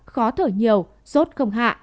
khó thở nhiều sốt không hạ